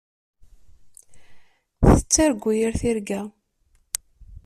Tettargu yir tirga.